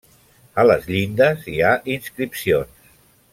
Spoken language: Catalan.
A les llindes hi ha inscripcions.